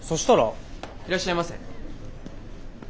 いらっしゃいませ。